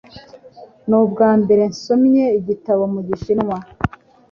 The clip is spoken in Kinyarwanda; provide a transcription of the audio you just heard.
Ni ubwambere nsomye igitabo mu Gishinwa.